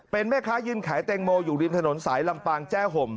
เป็นแม่ค้ายืนขายแตงโมอยู่ริมถนนสายลำปางแจ้ห่ม